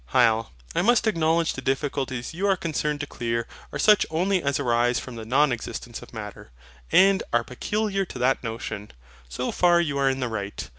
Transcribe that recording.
HYL. I must acknowledge the difficulties you are concerned to clear are such only as arise from the non existence of Matter, and are peculiar to that notion. So far you are in the right.